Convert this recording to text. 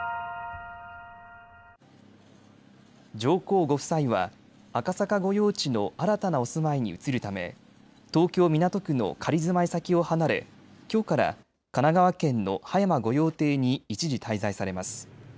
上皇ご夫妻は赤坂御用地の新たなお住まいに移るため東京港区の仮住まい先を離れ、きょうから神奈川県の葉山御用邸に一時、滞在されます。